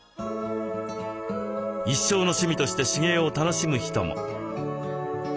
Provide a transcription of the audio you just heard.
一生の趣味として手芸を楽しむ人も。